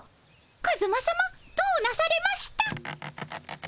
カズマさまどうなされました？